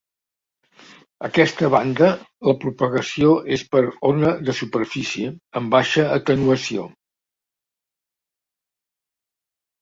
A aquesta banda la propagació és per ona de superfície, amb baixa atenuació.